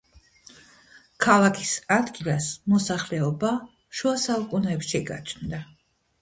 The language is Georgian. ქალაქის ადგილას მოსახლეობა შუა საუკუნეებში გაჩნდა.